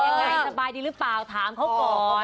คุณพ่อว่าเป็นยังไงสบายดีหรือเปล่าถามเขาก่อน